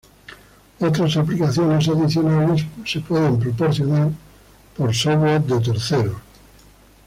Otras Aplicaciones adicionales pueden ser proporcionados por software de terceros.